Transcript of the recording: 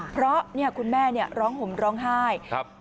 เพราะคุณแม่ร้องห่มร้องไห้